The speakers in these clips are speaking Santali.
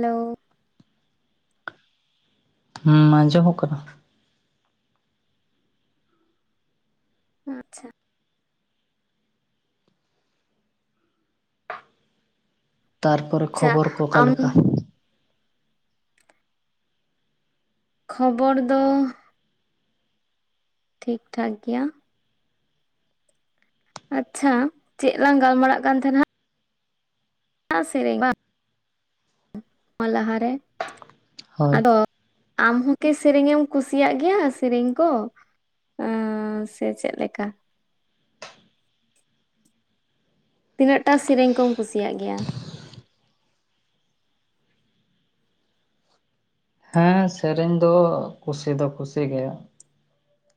ᱦᱮᱞᱳᱹᱹᱹᱹ ᱾ ᱦᱩᱸ, ᱟᱸᱡᱚᱢᱚᱜ ᱠᱟᱱᱟ ᱾ ᱟᱸᱪᱪᱷᱟ ᱾ ᱛᱟᱨᱯᱚᱨᱮ ᱟᱪᱪᱷᱟ ᱠᱷᱚᱵᱚᱨ ᱠᱚ ᱚᱠᱟ ᱟᱢ ᱞᱮᱠᱟ? ᱠᱷᱚᱵᱚᱨ ᱫᱚ ᱸᱸ ᱴᱷᱤᱠ- ᱴᱷᱟᱠ ᱜᱮᱭᱟ ᱾ ᱟᱪᱪᱷᱟ, ᱪᱮᱫ ᱞᱟᱝ ᱜᱟᱞᱢᱟᱨᱟᱜ ᱠᱟᱱ ᱛᱟᱦᱮᱱᱟ? ᱟᱥᱤᱨᱤᱵᱟ ᱾ ᱚ ᱞᱟᱦᱟᱨᱮ ᱦᱳᱭ ᱟᱫᱚ! ᱟᱢ ᱦᱚᱸ ᱠᱤ ᱥᱮᱨᱮᱧ ᱮᱢ ᱠᱩᱥᱤᱭᱟᱜ ᱜᱮᱭᱟ ᱥᱮᱨᱮᱧ ᱠᱚ? ᱩᱸᱼ ᱥᱮ ᱪᱮᱫ ᱞᱮᱠᱟ? ᱛᱤᱱᱟᱹᱜ ᱴᱟ ᱥᱮᱨᱮᱧ ᱠᱚᱢ ᱠᱩᱥᱤᱭᱟᱜ ᱜᱮᱭᱟ? ᱦᱮᱸ, ᱥᱮᱨᱮᱧ ᱫᱚ ᱠᱩᱥᱤ ᱫᱚ ᱠᱩᱥᱤᱜᱮ,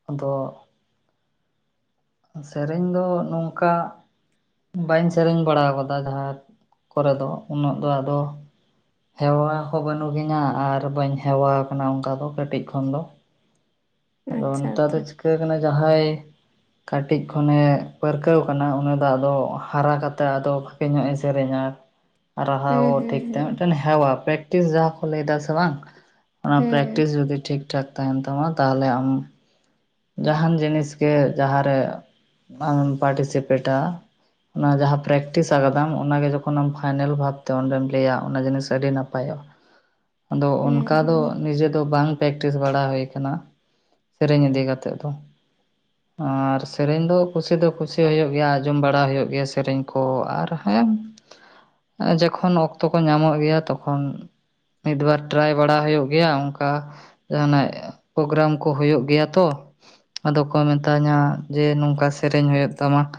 ᱟᱫᱚ ᱹᱹᱹᱹ ᱥᱮᱨᱮᱧ ᱫᱚ ᱱᱚᱝᱠᱟ ᱹᱹᱹᱹ ᱾ ᱵᱟᱹᱧ ᱥᱮᱨᱮᱧ ᱵᱟᱲᱟ ᱟᱠᱟᱫᱟ ᱡᱟᱦᱟᱸ ᱠᱚᱨᱮ ᱫᱚ ᱩᱱᱟᱹᱜ ᱫᱚ ᱟᱫᱚ ᱹᱹᱹᱹ ᱾ ᱦᱮᱣᱟ ᱦᱚᱸ ᱵᱟᱹᱱᱩᱜᱤᱧᱟ ᱟᱨ ᱵᱟᱹᱧ ᱦᱮᱣᱟ ᱟᱠᱟᱱᱟ ᱚᱱᱠᱟ ᱫᱚ ᱠᱟᱹᱴᱤᱡ ᱠᱷᱚᱱ ᱫᱚ ᱾ [inaudible] ᱟᱫᱚ ᱟᱪᱪᱷᱟ ᱱᱮᱛᱟᱨ ᱫᱚ ᱟᱪᱪᱷᱟ ᱪᱤᱠᱟᱹ ᱠᱟᱱᱟ ᱡᱟᱦᱟᱸᱭ ᱹᱹᱹ ᱾ ᱠᱟᱹᱴᱤᱡ ᱠᱷᱚᱱᱮ ᱯᱟᱹᱨᱠᱟᱹᱣ ᱟᱠᱟᱱᱟ ᱩᱱᱟᱹᱜ ᱫᱚ ᱟᱫᱚ ᱦᱟᱨᱟ ᱠᱟᱛᱮ ᱟᱫᱚ ᱛᱤᱱᱟᱹᱜ ᱮ ᱥᱮᱨᱮᱧᱟ ᱾ [inaudible] ᱨᱟᱦᱟᱣ ᱦᱩᱸ ᱴᱷᱤᱠᱛᱮ ᱢᱤᱫᱴᱮᱱ ᱦᱮᱣᱟ ᱯᱮᱠᱴᱤᱥ ᱡᱟᱦᱟᱸ ᱠᱚ ᱞᱟᱹᱭ ᱫᱟ ᱥᱮ ᱵᱟᱝ? ᱚᱱᱟ ᱦᱩᱸ ᱯᱨᱮᱠᱴᱤᱥ ᱡᱩᱫᱤ ᱴᱷᱤᱠ ᱴᱷᱟᱠ ᱛᱟᱦᱮᱱ ᱛᱟᱢᱟ, ᱛᱟᱦᱞᱮ ᱟᱢ ᱹᱹᱹᱹ᱾ ᱡᱟᱦᱟᱱ ᱡᱤᱱᱤᱥ ᱜᱮ ᱡᱟᱦᱟᱸᱨᱮ ᱟᱢᱮᱢ ᱯᱟᱴᱤᱥᱤᱯᱮᱴᱟ ᱾ ᱚᱱᱟ ᱡᱟᱦᱟ ᱯᱨᱮᱠᱤᱥ ᱠᱟᱫᱟᱢ ᱚᱱᱟ ᱜᱮ ᱡᱚᱠᱷᱚᱱᱮᱢ ᱯᱷᱟᱭᱱᱮᱞ ᱵᱷᱟᱵᱛᱮ ᱚᱸᱰᱮᱢ ᱞᱟᱹᱭᱟ, ᱚᱱᱟ ᱡᱤᱱᱤᱥ ᱟᱹᱰᱤ ᱱᱟᱯᱟᱭᱚᱜ-ᱟ᱾ [inaudible] ᱟᱫᱚ ᱦᱩᱸ ᱚᱱᱠᱟ ᱦᱩᱸ ᱦᱩᱸ ᱫᱚ ᱱᱤᱡᱮ ᱫᱚ ᱵᱟᱝ ᱯᱮᱠᱴᱤᱥ ᱵᱟᱲᱟ ᱦᱳᱭ ᱠᱟᱱᱟ ᱥᱮᱨᱮᱧ ᱤᱫᱤ ᱠᱟᱛᱮ ᱾ ᱱᱤᱛᱚᱜ ᱫᱚ ᱹᱹᱹ ᱟᱨ ᱥᱮᱨᱮᱧ ᱫᱚ ᱠᱩᱥᱤ ᱫᱚ ᱠᱩᱥᱤ ᱦᱩᱭᱩᱜ ᱜᱮᱭᱟ, ᱟᱸᱡᱚᱢ ᱵᱟᱲᱟ ᱦᱩᱭᱩᱜ ᱜᱮᱭᱟ ᱥᱮᱨᱮᱧ ᱠᱷᱚ ᱟᱨ ᱦᱮᱢ ᱡᱚᱠᱷᱚᱱ ᱚᱠᱛᱚ ᱠᱚ ᱧᱟᱢᱚᱜ ᱜᱮᱭᱟ ᱛᱚᱠᱷᱚᱱ- -ᱢᱤᱫᱵᱟᱨ ᱴᱨᱟᱭ ᱵᱟᱲᱟ ᱦᱩᱭᱩᱜ ᱜᱮᱭᱟ ᱚᱱᱠᱟ ᱾ ᱡᱟᱦᱟᱱᱟᱜ ᱯᱨᱳᱜᱨᱟᱢ ᱠᱚ ᱦᱳᱭᱳᱜ ᱜᱮᱭᱟ ᱛᱚ, ᱟᱫᱚ ᱠᱚ ᱢᱮᱛᱟᱧᱟ ᱡᱮ ᱱᱚᱝᱠᱟ ᱥᱮᱨᱮᱧ ᱦᱩᱭᱩᱜ ᱛᱟᱢᱟ ᱾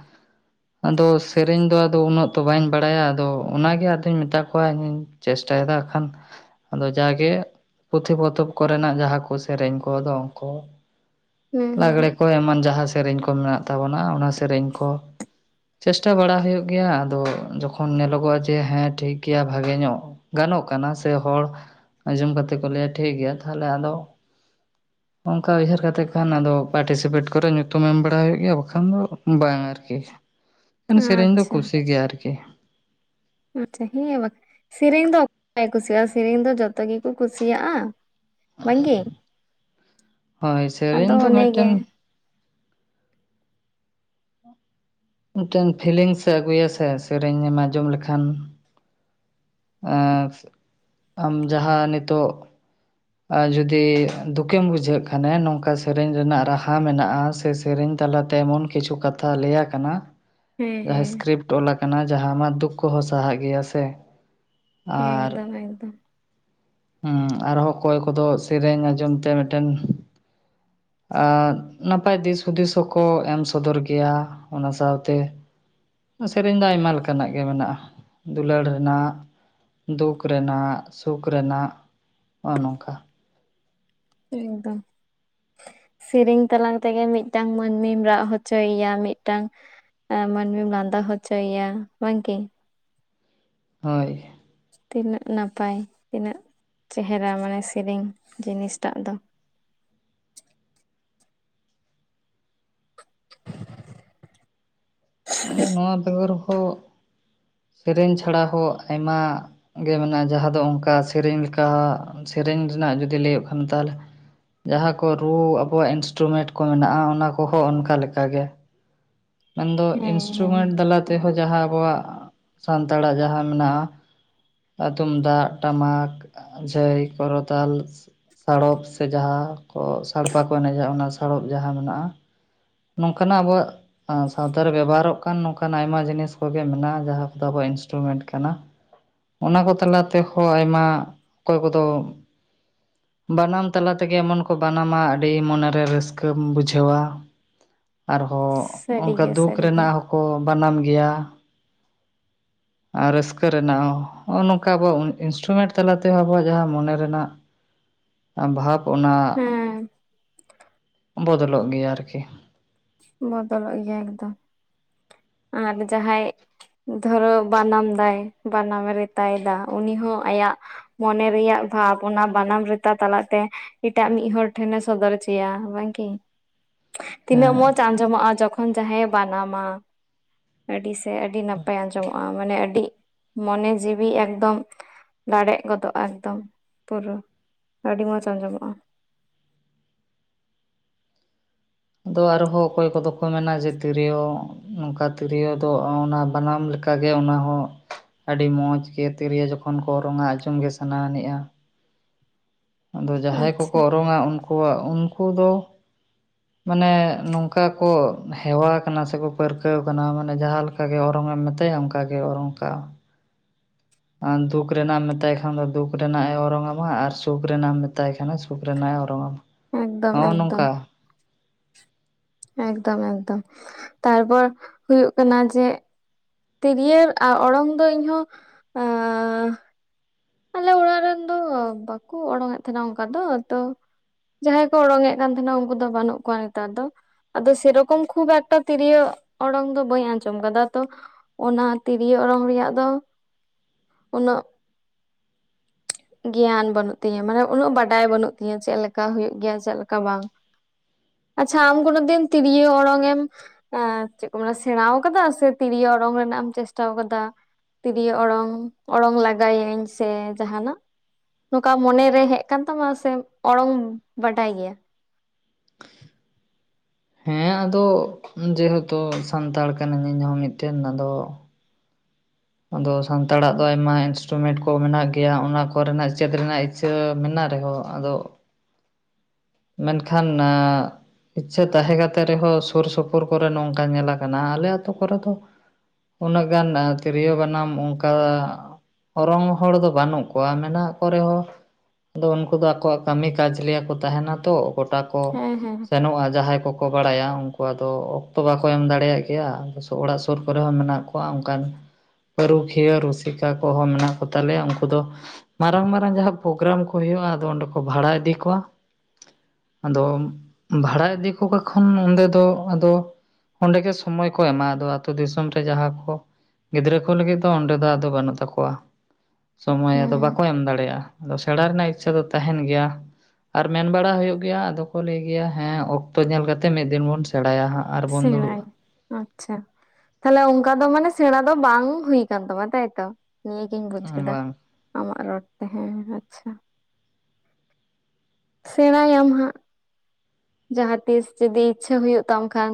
ᱟᱫᱚ ᱥᱮᱨᱮᱧ ᱫᱚ ᱟᱫᱚ ᱩᱱᱟᱹᱜ ᱛᱚ ᱵᱟᱧ ᱵᱟᱲᱟᱭᱟ ᱟᱫᱚ ᱚᱱᱟᱜᱮ ᱟᱫᱚᱹᱧ ᱢᱮᱛᱟ ᱠᱚᱣᱟ ᱤᱧ [inaudible] ᱪᱮᱥᱴᱟᱭᱮᱫᱟ ᱠᱷᱟᱱ, ᱟᱫᱚ ᱡᱟᱜᱮ ᱯᱩᱛᱷᱤ ᱯᱚᱛᱚᱵ ᱠᱚᱨᱮᱱᱟᱜ ᱡᱟᱦᱟ ᱠᱚ ᱥᱮᱨᱮᱧ ᱠᱚ, ᱫᱚᱝ ᱠᱚ, ᱦᱩᱸ ᱦᱩᱸ ᱞᱟᱜᱽᱲᱮ ᱠᱚ ᱮᱢᱟᱱ ᱡᱟᱦᱟ ᱥᱮᱨᱮᱧ ᱠᱚ ᱢᱮᱱᱟᱜ ᱛᱟᱵᱚᱱᱟ, ᱚᱱᱟ ᱥᱮᱨᱮᱧ ᱠᱚ ᱪᱮᱥᱴᱟ ᱵᱟᱲᱟ ᱦᱳᱭᱳᱜ ᱜᱮᱭᱟ, ᱟᱫᱚ ᱡᱚᱠᱷᱚᱱ ᱱᱮᱞᱚᱜᱚᱜᱼᱟ ᱡᱮ ᱦᱮᱸ ᱴᱷᱤᱠ ᱜᱮᱭᱟ ᱵᱷᱟᱜᱮ ᱧᱚᱜ- -ᱜᱟᱱᱚᱜ ᱠᱟᱱᱟ ᱥᱮ ᱦᱚᱲ ᱟᱸᱡᱚᱢ ᱠᱟᱛᱮ ᱠᱚ ᱞᱟᱹᱭᱟ ᱴᱷᱤᱠ ᱜᱮᱭᱟ ᱛᱟᱦᱞᱮ ᱟᱫᱚ, ᱚᱝᱠᱟ ᱩᱭᱦᱟᱹᱨ ᱠᱟᱛᱮᱜ ᱠᱷᱟᱱ ᱟᱫᱚ ᱯᱟᱴᱤᱥᱤᱯᱮᱴ ᱠᱚᱨᱮ ᱧᱩᱛᱩᱢ ᱮᱢ ᱵᱟᱲᱟ ᱦᱩᱭᱩᱜ ᱜᱮᱭᱟ, ᱵᱟᱠᱷᱟᱱ ᱫᱚ ᱵᱟᱝ ᱟᱨᱠᱤ᱾ [unintelligible] ᱮ ᱥᱮᱨᱮᱧ ᱫᱚ ᱟᱪᱪᱷᱟ ᱠᱩᱥᱤ ᱜᱮᱭᱟ ᱟᱨᱠᱤ᱾ [inaudible] ᱟᱪᱪᱷᱟ ᱦᱮᱸ ᱵᱟ [unintelligible] ᱥᱮᱨᱮᱧ ᱫᱚ ᱠᱚᱭ ᱮ ᱠᱩᱥᱤᱜᱼᱟ ᱥᱮᱨᱮᱧ ᱫᱚ ᱡᱚᱛᱚ ᱜᱮᱠᱚ ᱠᱩᱥᱤᱭᱟᱜᱼᱟ, ᱵᱟᱝᱜᱮᱹ, ᱦᱳᱭ ᱟᱫᱚ ᱥᱮᱨᱮᱧ ᱫᱚ ᱚᱱᱮ ᱜᱮ ᱢᱤᱫᱴᱮᱱ ᱢᱤᱫᱴᱮᱱ ᱯᱷᱤᱞᱤᱝᱥᱮ ᱟᱹᱜᱩᱭᱟ ᱥᱮ, ᱥᱮᱨᱮᱧᱮᱢ ᱟᱸᱡᱚᱢ ᱞᱮᱠᱷᱟᱱ, ᱟᱸᱠᱥ ᱟᱢ ᱡᱟᱦᱟ ᱱᱤᱛᱚᱜ ᱟ ᱡᱩᱫᱤ ᱫᱩᱠᱮᱢ ᱵᱩᱡᱷᱟᱹᱜ ᱠᱷᱟᱱᱮ ᱱᱚᱝᱠᱟ ᱥᱮᱨᱮᱧ ᱨᱮᱱᱟᱜ ᱨᱟᱦᱟ ᱢᱮᱱᱟᱜᱼᱟ, ᱥᱮ ᱥᱮᱨᱮᱧ ᱛᱟᱞᱟᱛᱮ ᱮᱢᱚᱱ ᱠᱤᱪᱷᱩ ᱠᱟᱛᱷᱟ ᱞᱟᱹᱭᱟ ᱠᱟᱱᱟ ᱦᱮᱸ ᱡᱟᱦᱟ ᱦᱮᱸ ᱤᱥᱠᱨᱤᱯᱴ ᱚᱞ ᱟᱠᱟᱱᱟ, ᱡᱟᱦᱟ ᱟᱢᱟᱜ ᱫᱩᱠ ᱠᱚᱦᱚ ᱥᱟᱦᱟᱜ ᱜᱮᱭᱟ ᱥᱮ? ᱟᱨ ᱮᱠᱫᱚᱢ ᱮᱠᱫᱚᱢ ᱩᱸ ᱟᱨᱦᱚ ᱠᱚᱭ ᱠᱚᱫᱚ ᱥᱮᱨᱮᱧ ᱟᱸᱡᱚᱢ ᱛᱮ ᱢᱤᱫᱴᱮᱱ ᱟ ᱱᱟᱯᱟᱭ ᱫᱤᱥ ᱦᱩᱫᱤᱥ ᱦᱚᱠᱚ ᱮᱢ ᱥᱚᱫᱚᱨ ᱜᱮᱭᱟ, ᱚᱱᱟ ᱥᱟᱣᱛᱮ, ᱥᱮᱨᱮᱧ ᱫᱚ ᱟᱭᱢᱟ ᱞᱮᱠᱟᱱᱟᱜ ᱜᱮ ᱢᱮᱱᱟᱜᱼᱟ, ᱫᱩᱞᱟᱹᱲ ᱨᱮᱱᱟᱜ, ᱫᱩᱠ ᱨᱮᱱᱟᱜ, ᱥᱩᱠ ᱨᱮᱱᱟᱜ, ᱚᱸᱻᱭ ᱱᱚᱝᱠᱟ᱾ ᱮᱠᱫᱚᱢ [inaudible] ᱥᱮᱨᱮᱧ ᱛᱟᱞᱟᱝ ᱛᱮᱜᱮ ᱢᱤᱫᱴᱟᱝ ᱢᱟᱹᱱᱢᱤᱢ ᱨᱟᱜ ᱦᱚᱪᱚᱭᱮᱭᱟ, ᱢᱤᱫᱴᱟᱝ ᱟ ᱢᱟᱱᱢᱤᱢ ᱞᱟᱸᱫᱟ ᱦᱚᱪᱚ ᱭᱟ, ᱵᱟᱝᱠᱤ ᱦᱳᱭ, ᱛᱤᱱᱟᱹᱜ ᱱᱟᱯᱟᱭ, ᱛᱤᱱᱟᱹᱜ ᱪᱮᱦᱨᱟ, ᱢᱟᱱᱮ ᱥᱤᱨᱤᱧ ᱡᱤᱱᱤᱥᱴᱟᱜ ᱫᱚ, [inaudible] ᱟᱸᱫᱚ ᱱᱚᱣᱟ ᱵᱮᱜᱚᱨ ᱦᱚ, ᱥᱮᱨᱮᱧ ᱪᱷᱟᱲᱟ ᱦᱚ ᱟᱭᱢᱟ- -ᱜᱮ ᱢᱮᱱᱟᱜᱼᱟ ᱡᱟᱦᱟ ᱫᱚ ᱚᱱᱠᱟ ᱥᱮᱨᱮᱧ ᱞᱮᱠᱟ, ᱥᱮᱨᱮᱧ ᱨᱮᱱᱟᱜ ᱡᱩᱫᱤ ᱞᱟᱹᱭᱚᱜ ᱠᱷᱟᱱ ᱛᱟᱦᱚᱞᱮ, ᱡᱟᱦᱟ ᱠᱚ ᱨᱩ ᱟᱵᱚᱣᱟᱜ ᱤᱱᱥᱴᱨᱩᱢᱮᱴ ᱠᱚ ᱢᱮᱱᱟᱜᱼᱟ, ᱚᱱᱟ ᱠᱚᱦᱚ ᱚᱱᱠᱟ ᱞᱮᱠᱟᱜ ᱜᱮ, ᱢᱮᱱᱫᱚ ᱦᱮᱸ ᱦᱮᱸ ᱤᱱᱥᱴᱨᱩᱢᱮᱱ ᱫᱟᱞᱟ ᱛᱮ ᱦᱚ ᱡᱟᱦᱟ, ᱟᱵᱚᱣᱟᱜ ᱥᱟᱱᱛᱟᱲᱟᱜ ᱡᱟᱦᱟ ᱢᱮᱱᱟᱜᱼᱟ, ᱟ ᱛᱩᱢᱫᱟᱜ, ᱴᱟᱢᱟᱠ, ᱡᱷᱟᱹᱭ, ᱠᱚᱨᱚᱛᱟᱞᱥ, ᱥᱟᱲᱚᱯ ᱥᱮ ᱡᱟᱦᱟ ᱠᱚ ᱥᱟᱲᱯᱟ ᱠᱚ ᱮᱱᱮᱡᱟ, ᱚᱱᱟ ᱥᱟᱲᱚᱯ ᱡᱟᱦᱟ ᱢᱮᱱᱟᱜᱼᱟ, ᱱᱚᱝᱠᱟᱱᱟᱜ ᱟᱵᱚᱣᱟᱜ ᱟ ᱥᱟᱣᱛᱟ ᱨᱮ ᱵᱮᱵᱚᱦᱟᱨᱚᱜ ᱠᱟᱱ ᱱᱚᱝᱠᱟᱱᱟᱜ ᱟᱭᱢᱟ ᱡᱤᱱᱤᱥ ᱠᱚᱜᱮ ᱢᱮᱱᱟᱜᱼᱟ, ᱡᱟᱦᱟ ᱠᱚᱫᱚ ᱟᱵᱚᱣᱟᱜ ᱤᱱᱥᱴᱨᱩᱢᱮᱱᱴ ᱠᱟᱱᱟ᱾ ᱚᱱᱟ ᱠᱚ ᱛᱟᱞᱟ ᱛᱮᱦᱚ, ᱟᱭᱢᱟ ᱚᱠᱚᱭ ᱠᱚᱫᱚ ᱵᱟᱱᱟᱢ ᱛᱟᱞᱟ ᱛᱮᱜᱮ ᱮᱢᱚᱱ ᱠᱚ ᱵᱟᱱᱟᱢᱟ, ᱟᱹᱰᱤ ᱢᱚᱱᱮᱨᱮ ᱨᱟᱹᱥᱠᱟᱹᱢ ᱵᱩᱡᱷᱟᱹᱣᱟ- -ᱟᱨᱦᱚ ᱚᱱᱠᱟ ᱥᱟᱹᱨᱤᱜᱮ ᱫᱩᱠ ᱥᱟᱹᱨᱤᱜᱮ ᱨᱮᱱᱟᱜ ᱦᱚᱠᱚ ᱵᱟᱱᱟᱢ ᱜᱮᱭᱟ, [unintelligible] ᱟ ᱨᱟᱹᱥᱠᱟᱹ ᱨᱮᱱᱟᱜ ᱦᱚ ᱚ ᱱᱚᱝᱠᱟ, ᱟᱵᱚᱣ ᱩᱱ ᱤᱱᱥᱴᱨᱩᱢᱮᱴ ᱛᱟᱞᱟᱛᱮᱦᱚ ᱟᱵᱚᱣᱟᱜ ᱡᱟᱦᱟ ᱢᱚᱱᱮ ᱨᱮᱱᱟᱜ [unintelligible] ᱵᱷᱟᱵ ᱚᱱᱟ, ᱦᱮᱸ ᱵᱚᱫᱚᱞᱚᱜ ᱜᱮᱭᱟ ᱟᱨᱠᱤ ᱾ ᱵᱚᱫᱚᱞᱚᱜ ᱜᱮᱭᱟ ᱮᱠᱫᱚᱢ᱾ ᱟᱨ ᱡᱟᱦᱟᱸᱭ ᱫᱷᱚᱨᱚ ᱵᱟᱱᱟᱢ ᱫᱟᱭ, ᱵᱟᱱᱟᱢᱮ ᱨᱮᱛᱟᱭ ᱫᱟ ᱩᱱᱤ ᱦᱚᱸ ᱟᱭᱟᱜ ᱢᱚᱱᱮ ᱨᱮᱭᱟᱜ ᱵᱷᱟᱵᱽ ᱚᱱᱟ ᱵᱟᱱᱟᱢ ᱨᱮᱛᱟ ᱛᱟᱞᱟᱛᱮ ᱮᱴᱟᱜ ᱢᱤᱫ ᱦᱚᱲ ᱴᱷᱮᱱᱮ ᱥᱚᱫᱚᱨ ᱦᱚᱪᱚᱭᱟ ᱵᱟᱝᱠᱤ ᱛᱤᱱᱟᱹᱜ ᱦᱮᱸ ᱢᱚᱸᱡᱽ ᱟᱸᱡᱚᱢᱚᱜᱼᱟ ᱡᱚᱠᱷᱚᱱ ᱡᱟᱦᱟᱸᱭᱮ ᱵᱟᱱᱟᱢᱟ᱾ ᱟᱹᱰᱤ ᱥᱮ ᱟᱹᱰᱤ ᱱᱟᱯᱟᱭ ᱟᱸᱡᱚᱢᱚᱜᱼᱟ ᱢᱟᱱᱮ ᱟᱹᱰᱤ, ᱢᱚᱱᱮ ᱡᱤᱣᱤ ᱮᱠᱫᱚᱢ ᱨᱟᱲᱮᱡ ᱜᱚᱫᱚᱜᱼᱟ ᱮᱠᱫᱚᱢ ᱯᱩᱨᱟᱹ, ᱟᱹᱰᱤ ᱢᱚᱸᱡᱽ ᱟᱸᱡᱚᱢᱚᱜᱼᱟ᱾ ᱟᱫᱚ ᱟᱨᱦᱚᱸ ᱚᱠᱚᱭ ᱠᱚᱫᱚ ᱠᱚ ᱢᱮᱱᱟ ᱡᱮ ᱛᱤᱨᱭᱳ, ᱱᱚᱝᱠᱟ ᱛᱤᱨᱭᱳ ᱫᱚ ᱚᱱᱟ ᱵᱟᱱᱟᱢ ᱞᱮᱠᱟ ᱚᱱᱠᱟ ᱜᱮ ᱚᱱᱟ ᱦᱚᱸ, ᱟᱹᱰᱤ ᱢᱚᱡᱽ ᱜᱮ ᱛᱤᱨᱭᱳ ᱡᱚᱠᱷᱚᱱ ᱠᱚ ᱚᱨᱚᱝᱟ ᱟᱸᱡᱚᱢ ᱜᱮ ᱥᱟᱱᱟᱱᱮᱜᱼᱟ ᱟᱫᱚ ᱡᱟᱦᱟᱸᱭ ᱠᱚᱠᱚ ᱟᱪᱪᱷᱟ ᱚᱨᱚᱝᱟ ᱩᱱᱠᱩᱣᱟᱜ ᱩᱱᱠᱩ ᱫᱚ ᱢᱟᱱᱮ ᱱᱚᱝᱠᱟ ᱠᱚ, ᱦᱮᱣᱟ ᱠᱟᱱᱟ ᱥᱮᱠᱚ ᱯᱟᱹᱨᱠᱟᱹᱣ ᱠᱟᱱᱟ ᱢᱟᱱᱮ ᱡᱟᱦᱟᱸᱠᱟ ᱚᱱᱠᱟᱜᱮ ᱚᱨᱚᱝ ᱢᱮᱛᱟᱭᱟ ᱚᱱᱠᱟᱜᱮ ᱚᱱᱠᱟ ᱾ ᱟᱨ ᱫᱩᱠ ᱨᱮᱱᱟᱜ ᱮᱢ ᱢᱮᱛᱟᱭ ᱠᱷᱟᱱ ᱫᱚ ᱫᱩᱠ ᱨᱮᱱᱟᱜ ᱮ ᱚᱨᱚᱝ ᱟᱢᱟ ᱟᱨ ᱥᱩᱠ ᱨᱮᱱᱟᱜ ᱮᱢ ᱢᱮᱛᱟᱭ ᱠᱷᱟᱱ ᱥᱩᱠᱨᱮᱱᱟ ᱮ ᱚᱨᱚᱝ ᱟᱢᱟᱭ ᱮᱠᱫᱚᱢ ᱦᱚᱸᱜᱼᱚᱭ ᱱᱚᱝᱠᱟ ᱾ ᱮᱠᱫᱚᱢ-ᱮᱠᱫᱚᱢ ᱛᱟᱨᱯᱚᱨ ᱦᱩᱭᱩᱜ ᱠᱟᱱᱟ ᱡᱮ ᱛᱤᱨᱭᱟᱹ ᱚᱨᱚᱝ ᱫᱚ ᱤᱧ ᱦᱚᱸ ᱟᱸ ᱟᱞᱮ ᱚᱲᱟᱜ ᱨᱮᱱ ᱫᱚ ᱵᱟᱠᱚ ᱚᱨᱚᱝ ᱮᱮᱫ ᱛᱟᱦᱮᱱᱟ ᱚᱱᱠᱟ ᱫᱚ ᱛᱚ ᱡᱟᱦᱟᱸᱭ ᱠᱚ ᱚᱲᱚᱝ ᱮᱫ ᱠᱟᱱ ᱛᱟᱦᱮᱱᱟ ᱩᱱᱠᱩ ᱫᱚ ᱵᱟᱹᱱᱩᱜ ᱠᱚᱣᱟ ᱱᱮᱛᱟᱨ ᱫᱚ ᱟᱫᱚ ᱥᱮᱨᱚᱠᱚᱢ ᱠᱷᱩᱵ ᱮᱠᱴᱟ ᱛᱤᱨᱭᱳ ᱚᱲᱚᱝ ᱫᱚ ᱵᱟᱹᱧ ᱟᱸᱡᱚᱢ ᱟᱠᱟᱫᱟ ᱛᱚ ᱚᱱᱟ ᱛᱤᱨᱭᱳ ᱚᱨᱚᱝ ᱨᱮᱭᱟᱜ ᱫᱚ ᱩᱱᱟᱹᱜ ᱜᱮᱭᱟᱱ ᱵᱟᱹᱱᱩᱜ ᱛᱤᱧᱟᱹ ᱢᱟᱱᱮ ᱩᱱᱟᱹᱜ ᱵᱟᱰᱟᱭ ᱵᱟᱹᱱᱩᱜ ᱛᱤᱧᱟᱹ ᱪᱮᱞᱮᱠᱟ ᱦᱩᱭᱩᱜ ᱜᱮᱭᱟ ᱪᱮᱞᱮᱠᱟ ᱵᱟᱝ ᱾ ᱟᱪᱷᱟ ᱟᱢᱜᱚᱱᱳ ᱢᱤᱫ ᱫᱤᱱ ᱛᱤᱨᱤᱭᱟᱹ ᱚᱨᱚᱝ ᱮᱢ ᱪᱮᱫ ᱠᱚ ᱢᱮᱱᱟ ᱥᱮᱬᱟᱣ ᱟᱠᱟᱫᱟ ᱥᱮ ᱛᱤᱨᱭᱳ ᱚᱨᱚᱝ ᱨᱮᱱᱟᱜ ᱮᱢ ᱪᱮᱥᱴᱟᱣ ᱠᱟᱫᱟ? ᱛᱤᱨᱭᱳ ᱚᱲᱚᱝ ᱚᱲᱚᱝ ᱞᱟᱜᱟᱭᱟᱹᱧ ᱥᱮ ᱡᱟᱦᱟᱱᱟᱜ ᱱᱚᱝᱠᱟ ᱢᱚᱱᱮᱨᱮ ᱦᱮᱜ ᱟᱠᱟᱱ ᱛᱟᱢᱟ ᱥᱮ ᱚᱲᱚᱝ ᱵᱟᱰᱟᱭ ᱜᱮᱭᱟ? ᱦᱮᱸ ᱟᱫᱚ ᱡᱮᱦᱮᱛᱩ ᱥᱟᱱᱛᱟᱲ ᱠᱟᱱᱟᱧ ᱦᱚᱸ ᱢᱤᱫᱴᱮᱱ ᱟᱫᱚ ᱟᱫᱚ ᱥᱟᱱᱛᱟᱲᱟᱜ ᱫᱚ ᱟᱭᱢᱟ ᱤᱱᱥᱴᱨᱩᱢᱮᱱᱴ ᱠᱚ ᱢᱮᱱᱟᱜ ᱜᱮᱭᱟ ᱚᱱᱟ ᱠᱚᱨᱮᱱᱟᱜ ᱪᱮᱫ ᱨᱮᱱᱟᱜ ᱪᱮ ᱢᱮᱱᱟᱜ ᱨᱮᱦᱚᱸ ᱟᱫᱚ ᱢᱮᱱᱠᱷᱟᱱ ᱟᱸ ᱤᱪᱷᱟᱹ ᱛᱟᱦᱮᱸ ᱠᱟᱛᱮ ᱨᱮᱦᱚᱸ ᱥᱩᱨ ᱥᱩᱯᱩᱨ ᱠᱚᱨᱮ ᱱᱚᱝᱠᱟ ᱧᱮᱞ ᱟᱠᱟᱱᱟ ᱟᱞᱮ ᱟᱹᱛᱩ ᱠᱚᱨᱮ ᱫᱚ ᱩᱱᱟᱹᱜ ᱜᱟᱱ ᱛᱤᱨᱭᱳ ᱵᱟᱱᱟᱢ ᱚᱱᱠᱟ, ᱚᱨᱚᱝ ᱦᱚᱲ ᱫᱚ ᱵᱟᱹᱱᱩᱜ ᱠᱚᱣᱟ ᱢᱮᱱᱟᱜ ᱠᱚ ᱨᱮᱦᱚᱸ ᱟᱫᱚ ᱩᱱᱠᱩ ᱫᱚ ᱟᱠᱚᱣᱟᱜ ᱠᱟᱹᱢᱤ ᱠᱟᱡᱽ ᱞᱮᱭᱟ ᱠᱚ ᱛᱟᱦᱮᱱᱟ ᱛᱚ ᱜᱚᱴᱟ ᱠᱚ ᱦᱮᱸ ᱦᱮᱸ ᱥᱮᱱᱚᱜᱼᱟ ᱡᱟᱦᱟᱸᱭ ᱠᱚ ᱠᱚ ᱵᱟᱲᱟᱭᱟ ᱩᱱᱠᱩ ᱟᱫᱚ ᱚᱠᱛᱚ ᱵᱟᱠᱚ ᱮᱢ ᱫᱟᱲᱮᱭᱟᱜ ᱜᱮᱭᱟ ᱚᱲᱟᱜ ᱥᱩᱨ ᱠᱚᱨᱮ ᱦᱚᱸ ᱢᱮᱱᱟᱜ ᱠᱚᱣᱟ ᱚᱱᱠᱟᱱ ᱯᱟᱹᱨᱩᱠᱷᱤᱭᱟᱹ ᱨᱩᱥᱤᱠᱟ ᱠᱚᱦᱚᱸ ᱢᱮᱱᱟᱜ ᱠᱚᱛᱟᱞᱮᱭᱟ ᱩᱱᱠᱩ ᱫᱚ ᱢᱟᱨᱟᱝ ᱢᱟᱨᱟᱝ ᱡᱟᱦᱟᱸ ᱯᱨᱳᱜᱨᱟᱢ ᱠᱚ ᱦᱩᱭᱩᱜᱼᱟ ᱟᱫᱚ ᱚᱸᱰᱮ ᱠᱚ ᱵᱷᱟᱲᱟ ᱤᱫᱤ ᱠᱚᱣᱟ ᱟᱫᱚ ᱵᱷᱟᱲᱟ ᱤᱫᱤ ᱠᱟᱠᱚᱠᱷᱚᱱ ᱚᱸᱰᱮ ᱫᱚ ᱟᱫᱚ ᱚᱸᱰᱮ ᱜᱮ ᱥᱚᱢᱚᱭ ᱠᱚ ᱮᱢᱟᱼᱟ ᱟᱫᱚ ᱟ. ᱛᱩ ᱫᱤᱥᱚᱢ ᱨᱮ ᱡᱟᱦᱟᱸ ᱠᱚ ᱜᱤᱫᱽᱨᱟᱹᱠᱩ ᱞᱟᱹᱜᱤᱫ ᱫᱚ ᱚᱸᱰᱮ ᱫᱚ ᱟᱫᱚ ᱵᱟᱹᱱᱩᱜ ᱛᱟᱠᱚᱣᱟ, ᱥᱚᱢᱚᱭ ᱦᱩᱸ ᱟᱫᱚ ᱵᱟᱠᱚ ᱮᱢ ᱫᱟᱲᱮᱭᱟᱜᱼᱟ ᱾ ᱟᱫᱚ ᱥᱮᱬᱟ ᱨᱮᱱᱟᱜ ᱤᱪᱷᱟᱹ ᱫᱚ ᱛᱟᱦᱮᱱ ᱜᱮᱭᱟ ᱾ ᱟᱨ ᱢᱮᱱ ᱵᱟᱲᱟ ᱦᱩᱭᱩᱜ ᱜᱮᱭᱟ ᱟᱫᱚ ᱠᱚ ᱞᱟᱹᱭ ᱜᱮᱭᱟ ᱦᱮᱸ ᱚᱠᱛᱚ ᱧᱮᱞ ᱠᱟᱛᱮᱜ ᱢᱤᱫ ᱫᱤᱱ ᱵᱚᱱ ᱥᱮᱬᱟᱭᱟ ᱦᱟᱸᱜ ᱟᱨᱵᱚᱱ ᱫᱩᱲᱩᱵᱼᱟ ᱾ ᱟᱪᱷᱟ ᱛᱟᱦᱚᱞᱮ ᱚᱱᱠᱟ ᱫᱚ ᱢᱟᱱᱮ ᱥᱮᱬᱟ ᱫᱚ ᱵᱟᱝ ᱦᱩᱭ ᱠᱟᱱ ᱛᱟᱢᱟ ᱛᱟᱭᱛᱚ ᱱᱤᱭᱟᱹ ᱜᱮᱧ ᱵᱩᱪ ᱠᱮᱫᱟ᱾ ᱵᱟᱝ ᱟᱢᱟᱜ ᱨᱚᱲ ᱛᱮ ᱦᱮᱸ ᱟᱪᱷᱟ, ᱥᱮᱬᱟᱭᱟᱢ ᱦᱟᱸᱜ ᱾ ᱡᱟᱦᱟᱸᱛᱤᱥ ᱡᱩᱫᱤ ᱤᱪᱪᱷᱩ ᱦᱩᱭᱩᱜ ᱛᱟᱢ ᱠᱷᱟᱱ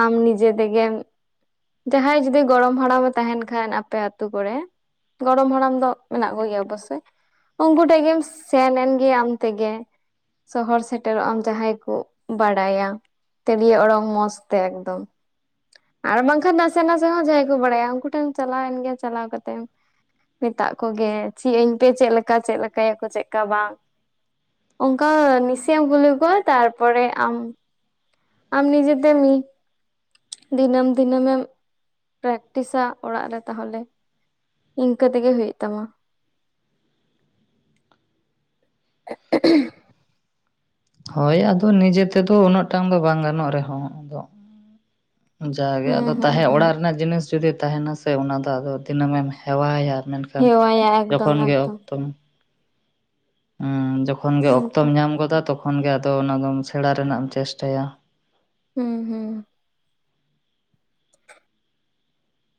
ᱟᱢ ᱱᱤᱡᱮ ᱛᱮᱜᱮᱢ, ᱡᱟᱦᱟᱸᱭ ᱡᱩᱫᱤ ᱜᱚᱲᱚᱢ ᱦᱟᱲᱟᱢᱮ ᱛᱟᱸᱦᱮᱱ ᱠᱷᱟᱱ ᱟᱯᱮ ᱟᱹᱛᱩ ᱠᱚᱲᱮ ᱾ ᱜᱚᱲᱚᱢ ᱦᱟᱲᱟᱢ ᱫᱚ ᱢᱮᱱᱟᱜ ᱠᱚᱜᱮᱭᱟ ᱚᱵᱚᱥᱮᱭ ᱾ ᱩᱱᱠᱩ ᱴᱷᱮᱱ ᱜᱮᱢ ᱥᱮᱱ ᱮᱱ ᱜᱮ ᱟᱢ ᱛᱮᱜᱮ ᱥᱚᱦᱚᱨ ᱥᱮᱴᱮᱨᱚᱜ ᱟᱢ ᱡᱟᱦᱟᱸᱭ, [unintelligible] ᱠᱩ ᱵᱟᱰᱟᱭᱟ ᱛᱤᱲᱤᱭᱳ ᱚᱲᱚᱝ ᱢᱚᱸᱡᱽ ᱛᱮ ᱮᱠᱫᱚᱢ ᱾ ᱟᱲ ᱵᱟᱝᱠᱷᱟᱱ ᱱᱟᱥᱮ ᱱᱟᱥᱮ ᱦᱚᱸ ᱡᱟᱦᱟᱸᱭ ᱠᱚ ᱵᱟᱲᱟᱭᱟ ᱩᱱᱠᱩ ᱴᱷᱮᱱ ᱪᱟᱞᱟᱣᱮᱱ ᱜᱮᱭᱟ ᱪᱟᱞᱟᱣ ᱠᱟᱛᱮ? ᱢᱮᱛᱟᱜ ᱠᱚᱜᱮ ᱪᱤᱜ ᱟᱹᱧ ᱯᱮ ᱪᱮᱜ ᱞᱮᱠᱟ ᱪᱮᱜ ᱞᱮᱠᱟᱭᱟᱠᱚ ᱪᱮᱜ ᱞᱮᱠᱟ ᱵᱟᱝ? ᱚᱝᱠᱟ ᱱᱤᱥᱮᱟᱢ ᱠᱩᱞᱤᱠᱚ-ᱟ ᱛᱟᱨᱯᱚᱨᱮ ᱟᱢ, ᱟᱢ ᱱᱤᱡᱮ ᱛᱮᱢ [inaudible] ᱫᱤᱱᱟᱹᱢ ᱫᱤᱱᱟᱹᱢᱮᱢ ᱯᱨᱟᱠᱴᱤᱥᱟ ᱚᱲᱟᱜ ᱨᱮ ᱛᱟᱦᱚᱞᱮ, ᱤᱱᱠᱟᱹ ᱛᱮᱜᱮ ᱦᱩᱭᱩᱜ ᱛᱟᱢᱟ ᱾ [unintelligible] ᱦᱚᱭ ᱟᱫᱚ ᱱᱤᱡᱮ ᱛᱮᱫᱚ ᱩᱱᱟᱹᱜ ᱴᱟᱝ ᱫᱚ ᱵᱟᱝ ᱜᱟᱱᱚᱜ ᱨᱮᱦᱚᱸ ᱟᱫᱚ, ᱡᱟᱜᱮ ᱦᱩᱸ ᱟᱫᱚ ᱦᱩᱸ ᱛᱟᱦᱮ ᱦᱩᱸ ᱚᱲᱟᱜ ᱨᱮᱱᱟᱜ ᱡᱤᱱᱤᱥ ᱡᱩᱫᱤ ᱛᱟᱦᱮᱱᱟ ᱥᱮ ᱚᱱᱟ ᱫᱚ ᱟᱫᱚ ᱫᱤᱱᱟᱹᱢᱮᱢ ᱦᱮᱣᱟᱭᱟ ᱢᱮᱱᱠᱷᱟᱱ, ᱦᱮᱣᱟᱭᱟ [unintelligible] ᱮᱠᱫᱚᱢ ᱡᱚᱠᱷᱚᱱ ᱜᱮ ᱮᱠᱫᱚᱢ ᱚᱠᱛᱚ [inaudible] ᱮᱸ ᱡᱚᱠᱷᱚᱱ ᱜᱮ ᱚᱠᱛᱚᱢ ᱮᱠᱫᱚᱢ ᱧᱟᱢ ᱜᱚᱫᱟ ᱛᱚᱠᱷᱚᱱ ᱜᱮ ᱟᱫᱚ ᱚᱱᱟ ᱫᱚᱢ ᱥᱮᱬᱟ ᱨᱮᱱᱟᱜ ᱮᱢ ᱪᱮᱥᱴᱟᱭᱟ᱾ ᱦᱩᱸ ᱦᱩᱸ᱾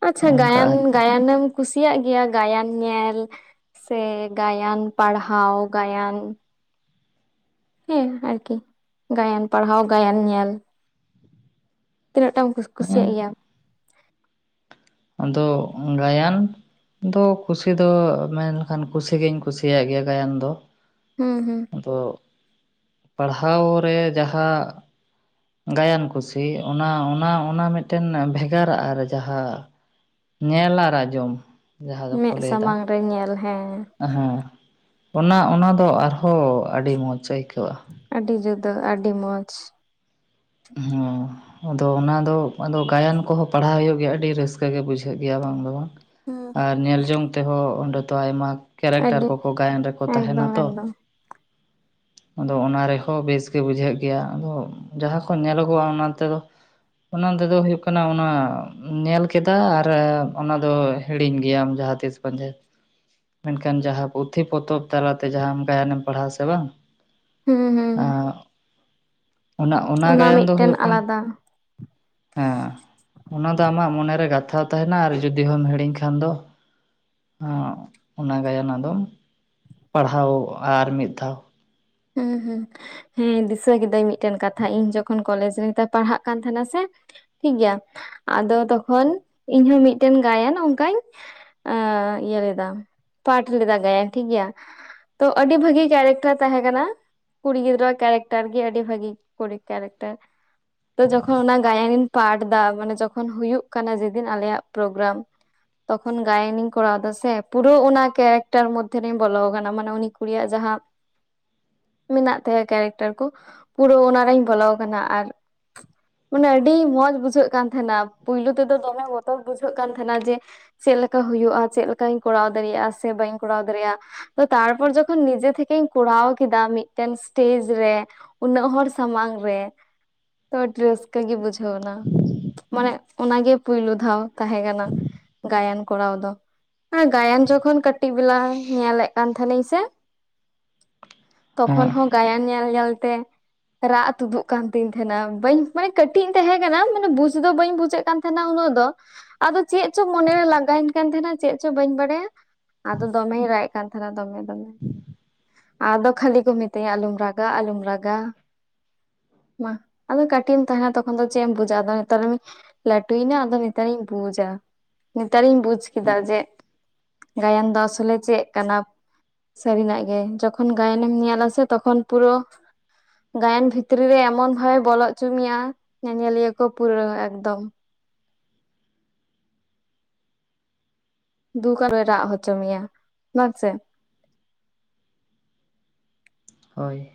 ᱟᱪᱪᱷᱟ ᱚᱱᱠᱟ ᱜᱟᱭᱟᱱ ᱟᱨᱠᱤ ᱜᱟᱭᱟᱱᱮᱢ, ᱠᱩᱥᱤᱭᱟᱜ ᱜᱮᱭᱟ ᱜᱟᱭᱟᱱ ᱧᱮᱞ ᱥᱮ ᱜᱟᱭᱟᱱ ᱯᱟᱲᱦᱟᱣ ᱜᱟᱭᱟᱱ? [inaudible] ᱦᱮᱸ ᱟᱨᱠᱤ ᱜᱟᱭᱟᱱ ᱯᱟᱲᱦᱟᱣ ᱜᱟᱭᱟᱱ ᱧᱮᱞ᱾ ᱛᱤᱱᱟᱹᱜ ᱴᱟᱢ ᱠᱩ ᱦᱮᱸ ᱠᱩᱥᱤᱭᱟᱜ ᱜᱮᱭᱟᱢ? ᱟᱫᱚ ᱜᱟᱭᱟᱱ? ᱤᱧ ᱫᱚ ᱠᱩᱥᱤ ᱫᱚ ᱢᱮᱱ ᱠᱷᱟᱱ ᱠᱩᱥᱤ ᱜᱤᱧ ᱠᱩᱥᱤᱭᱟᱜ ᱜᱮᱭᱟ ᱜᱟᱭᱟᱱ ᱫᱚ᱾ ᱦᱩᱸ ᱦᱩᱸ᱾ ᱟᱫᱚ, ᱯᱟᱲᱦᱟᱣ ᱨᱮ ᱡᱟᱦᱟ, ᱜᱟᱭᱟᱱ ᱠᱩᱥᱤ ᱚᱱᱟ ᱚᱱᱟ ᱚᱱᱟ ᱢᱤᱫᱴᱮᱱ ᱵᱷᱮᱜᱟᱨᱟᱜ ᱟᱨ ᱡᱟᱦᱟ ᱧᱮᱞ ᱟᱨ ᱟᱡᱚᱢ᱾ ᱢᱮᱜ ᱥᱟᱢᱟᱝ ᱨᱮ ᱧᱮᱞ ᱦᱮᱸ ᱦᱮᱸ ᱚᱱᱟ ᱚᱱᱟ ᱫᱚ ᱟᱨᱦᱚᱸ ᱟᱹᱰᱤ ᱢᱚᱡᱽ ᱟᱹᱭᱠᱟᱹᱜᱼᱟ᱾ ᱟᱹᱰᱤ ᱡᱩᱫᱟᱹ ᱟᱹᱰᱤ ᱢᱚᱡᱽ᱾ ᱦᱚᱸ ᱟᱫᱚ ᱚᱱᱟ ᱫᱚ ᱟᱫᱚ ᱜᱟᱭᱟᱱ ᱠᱚᱦᱚ ᱯᱟᱲᱦᱟᱣ ᱦᱩᱭᱩᱜ ᱜᱮᱭᱟ ᱟᱹᱰᱤ ᱨᱟᱹᱥᱠᱟᱹ ᱜᱮ ᱵᱩᱡᱷᱟᱹᱜ ᱜᱮᱭᱟ ᱵᱟᱝ ᱫᱚ ᱵᱟᱝ᱾ ᱦᱩᱸ ᱟᱨ ᱦᱩᱸ ᱧᱮᱞ ᱡᱚᱝ ᱛᱮᱦᱚ ᱚᱸᱰᱮ ᱫᱚ ᱟᱭᱢᱟ ᱠᱮᱨᱮᱠᱴᱟᱨ ᱟᱹᱰᱤ ᱠᱚᱠᱚ ᱜᱟᱭᱟᱱ ᱨᱮᱠᱚ ᱛᱟᱦᱮᱱᱟ ᱮᱠᱫᱚᱢ ᱛᱚ᱾ ᱮᱠᱫᱚᱢ ᱟᱫᱚ ᱚᱱᱟ ᱨᱮᱦᱚ ᱵᱮᱥ ᱜᱮ ᱵᱩᱡᱷᱟᱹᱜ ᱜᱮᱭᱟ ᱟᱫᱚ ᱡᱟᱦᱟ [inaudible] [unintelligible] ᱧᱮᱞᱜᱼᱟ ᱚᱱᱟ ᱛᱮ ᱫᱚ? [inaudible] ᱚᱱᱟ ᱛᱮᱫᱚ ᱦᱩᱭᱩᱜ ᱠᱟᱱᱟ ᱚᱱᱟ ᱧᱮᱞ ᱠᱮᱫᱟ ᱟᱨ ᱚᱱᱟ ᱫᱚ ᱦᱮᱲᱤᱧ ᱜᱮᱭᱟᱢ ᱡᱟᱦᱟᱸᱛᱤᱥ᱾ [inaudible] ᱢᱮᱱᱠᱷᱟᱱ ᱡᱟᱦᱟ ᱯᱩᱛᱷᱤ ᱯᱚᱛᱚᱵ ᱛᱟᱞᱟᱛᱮ ᱡᱟᱦᱟᱸᱢ ᱜᱟᱭᱟᱱᱮᱢ ᱯᱟᱲᱦᱟᱣᱟ ᱥᱮ ᱵᱟᱝ, ᱦᱩᱸ ᱦᱩᱸ ᱟᱻᱜ ᱚᱱᱟ, ᱚᱱᱟ ᱜᱟᱭᱟᱱ ᱫᱚ ᱢᱤᱫᱴᱮᱱ ᱦᱩᱭᱩᱜ ᱠᱟᱱ ᱟᱞᱟᱫᱟ᱾ ᱦᱮᱸ ᱚᱱᱟ ᱫᱚ ᱟᱢᱟᱜ ᱢᱚᱱᱮᱨᱮ ᱜᱟᱛᱷᱟᱣ ᱛᱟᱦᱮᱱᱟ ᱟᱨ ᱡᱩᱫᱤ ᱦᱚᱸᱢ ᱦᱮᱲᱤᱧ ᱠᱷᱟᱱ ᱫᱚ, ᱟᱸ ᱚᱱᱟ ᱜᱟᱭᱟᱱ ᱟᱫᱚᱢ ᱯᱟᱲᱦᱟᱣ ᱟᱨ ᱢᱤᱫ ᱫᱷᱟᱣ᱾ ᱦᱩᱸ ᱦᱩᱸ᱾ ᱦᱮᱸ ᱫᱤᱥᱟᱹ ᱠᱤᱫᱟᱹᱧ ᱢᱤᱫᱴᱮᱱ ᱠᱟᱛᱷᱟ ᱤᱧ ᱡᱚᱠᱷᱚᱱ ᱠᱚᱞᱮᱡᱽ ᱨᱮ [inaudible] ᱯᱟᱲᱦᱟᱜ ᱠᱟᱱ ᱛᱟᱦᱮᱱᱟ ᱥᱮ, ᱴᱷᱤᱠ ᱜᱮᱭᱟ ᱟᱫᱚ ᱛᱚᱠᱷᱚᱱ ᱤᱧ ᱦᱚᱸ ᱢᱤᱫᱴᱮᱱ ᱜᱟᱭᱟᱱ ᱚᱱᱠᱟᱧ, ᱮᱸ ᱤᱭᱟᱹ ᱞᱮᱫᱟ ᱯᱟᱴᱷ ᱞᱮᱫᱟ ᱜᱟᱭᱟᱱ ᱴᱷᱤᱠ ᱜᱮᱭᱟ᱾ ᱛᱚ ᱟᱹᱰᱤ ᱵᱷᱟᱹᱜᱤ ᱠᱮᱨᱮᱠᱴᱟᱨ ᱛᱟᱦᱮᱸ, ᱠᱟᱱᱟ ᱠᱩᱲᱤ ᱜᱤᱫᱽᱨᱟᱹ ᱠᱮᱨᱮᱠᱴᱟᱨ ᱜᱮ ᱟᱹᱰᱤ ᱵᱷᱟᱹᱜᱤ ᱠᱩᱲᱤ ᱠᱮᱨᱮᱠᱴᱟᱨ᱾ [inaudible] ᱛᱚ ᱡᱚᱠᱷᱚᱱ ᱚᱱᱟ ᱜᱟᱭᱟᱱᱤᱧ ᱯᱟᱴᱷ ᱫᱟ ᱢᱟᱱᱮ ᱡᱚᱠᱷᱚᱱ ᱦᱩᱭᱩᱜ ᱠᱟᱱᱟ ᱡᱮᱫᱤᱱ ᱟᱞᱮᱭᱟᱜ ᱯᱨᱚᱜᱨᱟᱢ ᱾ ᱛᱚᱠᱷᱚᱱ ᱜᱟᱭᱟᱱᱤᱧ ᱠᱚᱨᱟᱣ ᱮᱫᱟ ᱥᱮ ᱯᱩᱨᱟᱹ ᱚᱱᱟ ᱠᱮᱨᱮᱠᱴᱟᱨ ᱢᱚᱫᱽᱫᱷᱮ ᱨᱮᱧ ᱵᱚᱞᱚ ᱟᱠᱟᱱᱟ ᱢᱟᱱᱮ ᱩᱱᱤ ᱠᱩᱲᱤᱭᱟᱜ ᱡᱟᱦᱟᱸ, ᱢᱮᱱᱟᱜ ᱛᱟᱭᱟ ᱠᱮᱨᱮᱠᱴᱟᱨ ᱠᱚ ᱯᱩᱨᱟᱹ ᱚᱱᱟ ᱨᱮᱧ ᱵᱚᱞᱚ ᱟᱠᱟᱱᱟ ᱟᱨ ᱢᱟᱱᱮ ᱟᱹᱰᱤ ᱢᱚᱸᱡᱽ ᱵᱩᱡᱷᱟᱹᱜ ᱠᱟᱱ ᱛᱟᱦᱮᱱᱟ᱾ᱯᱩᱭᱞᱩ ᱛᱮᱫᱚ ᱫᱚᱢᱮ ᱵᱚᱛᱚᱨ ᱵᱩᱡᱷᱟᱹᱜ ᱠᱟᱱ ᱛᱟᱦᱮᱱᱟ᱾ ᱡᱮ ᱪᱮᱫ ᱞᱮᱠᱟ ᱦᱩᱭᱩᱜᱼᱟ ᱪᱮᱫ ᱞᱮᱠᱟᱧ ᱠᱚᱨᱟᱣ ᱫᱟᱲᱮᱭᱟᱜᱼᱟ ᱥᱮ ᱵᱟᱹᱧ ᱠᱚᱨᱟᱣ ᱫᱟᱲᱮᱭᱟᱜᱼᱟ᱾ ᱛᱚ ᱛᱟᱨᱯᱚᱨ ᱡᱚᱠᱷᱚᱱ ᱱᱤᱡᱮ ᱛᱷᱮᱠᱮᱧ ᱠᱚᱲᱟᱣ ᱠᱮᱫᱟ ᱢᱤᱫᱴᱮᱱ ᱥᱴᱮᱡ ᱨᱮ ᱩᱱᱟᱹᱜ ᱦᱚᱲ ᱥᱟᱢᱟᱝ ᱨᱮ ᱛᱚ ᱟᱹᱰᱤ ᱨᱟᱹᱥᱠᱟᱹ ᱜᱮ ᱵᱩᱡᱷᱟᱹᱣᱮᱱᱟ᱾ ᱢᱟᱱᱮ ᱚᱱᱟᱜᱮ ᱯᱩᱭᱞᱩ ᱫᱷᱟᱣ ᱛᱟᱦᱮᱸ ᱠᱟᱱᱟ ᱜᱟᱭᱟᱱ ᱠᱚᱨᱟᱣ ᱫᱚ᱾ ᱟᱨ ᱜᱟᱭᱟᱱ ᱡᱚᱠᱷᱚᱱ ᱠᱟᱹᱴᱤᱡ ᱵᱮᱞᱟ ᱧᱮᱞᱮᱫ ᱠᱟᱱ ᱛᱟᱦᱮᱱᱤᱹᱧ ᱥᱮ᱾ ᱛᱚᱠᱷᱚᱱ ᱦᱮᱸ ᱦᱚᱸ ᱜᱟᱭᱟᱱ ᱧᱮᱞ-ᱧᱮᱞ ᱛᱮ ᱨᱟᱜ ᱛᱩᱫᱩᱜ ᱠᱟᱱ ᱛᱤᱧ ᱛᱟᱦᱮᱸᱱᱟ᱾ ᱵᱟᱹᱧ ᱢᱟᱱᱮ ᱠᱟᱹᱴᱤᱡ ᱤᱧ ᱛᱟᱦᱮᱸ ᱠᱟᱱᱟ ᱢᱟᱱᱮ ᱵᱩᱡ ᱫᱚ ᱵᱟᱹᱧ ᱵᱩᱡᱮᱫ ᱛᱟᱦᱮᱱᱟ ᱩᱱᱟᱹᱜ ᱫᱚ᱾ ᱟᱫᱚ ᱪᱮᱫ ᱪᱚ ᱢᱚᱱᱮᱨᱮ ᱞᱟᱜᱟᱣᱮᱱ ᱠᱟᱱ ᱛᱟᱦᱮᱱᱟ ᱪᱮᱫ ᱪᱚ ᱵᱟᱹᱧ ᱵᱟᱲᱟᱭᱟ ᱟᱫᱚ ᱫᱚᱢᱮᱭ ᱨᱟᱜ ᱮ ᱠᱟᱱ ᱛᱟᱦᱮᱱᱟ ᱫᱚᱢᱮ ᱫᱚᱢᱮ᱾ ᱟᱫᱚ ᱠᱷᱟᱹᱞᱤ ᱠᱚ ᱢᱤᱛᱟᱹᱧᱟ ᱟᱞᱚᱢ ᱨᱟᱜᱟ ᱟᱞᱚᱢ ᱨᱟᱜᱟ᱾ ᱢᱟ ᱟᱫᱚ ᱠᱟᱹᱴᱤᱡ ᱮᱢ ᱛᱟᱦᱮᱱᱟ ᱛᱚᱠᱷᱚᱱ ᱫᱚ ᱪᱮᱫ ᱮᱢ ᱵᱩᱡᱟ ᱟᱫᱚ ᱱᱮᱛᱟᱨ ᱞᱟᱹᱴᱩᱭᱮᱱᱟ ᱟᱫᱚ ᱱᱮᱛᱟᱨᱤᱧ ᱵᱩᱡᱟ, ᱱᱮᱛᱟᱨᱤᱧ ᱵᱩᱡ ᱠᱮᱫᱟ ᱡᱮ ᱜᱟᱭᱟᱱ ᱫᱚ ᱟᱥᱚᱞᱮ ᱪᱮᱫ ᱠᱟᱱᱟ ᱥᱟᱹᱨᱤᱱᱟᱜ ᱜᱮ ᱡᱚᱠᱷᱚᱱ ᱛᱚᱠᱷᱚᱱ ᱜᱟᱭᱟᱱᱮᱢ ᱧᱮᱞ ᱟᱥᱮ ᱛᱚᱠᱷᱚᱱ ᱯᱩᱨᱟᱹ ᱜᱟᱭᱟᱱ ᱵᱷᱤᱛᱨᱤ ᱨᱮ ᱮᱢᱚᱱ ᱵᱷᱟᱵᱮ ᱵᱚᱞᱚ ᱦᱚᱪᱚ ᱢᱮᱭᱟ, ᱧᱮᱧᱮᱞᱤᱭᱟᱹ ᱠᱚ ᱯᱩᱨᱟᱹ ᱮᱠᱫᱚᱢ ᱾ ᱫᱩᱠ ᱟᱨᱚᱭ ᱦᱚᱪᱚ ᱢᱮᱭᱟ ᱵᱟᱝ ᱥᱮ᱾ ᱦᱳᱭ᱾